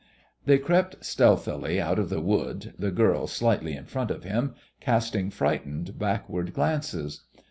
They crept stealthily out of the wood, the girl slightly in front of him, casting frightened backward glances.